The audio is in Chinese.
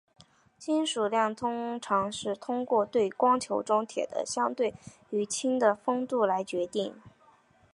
金属量通常是通过对光球中铁的相对于氢的丰度来决定。